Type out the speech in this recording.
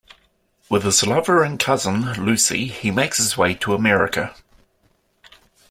With his lover and cousin, Lucy, he makes his way to America.